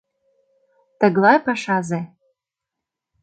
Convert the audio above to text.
Тыглай пашазе!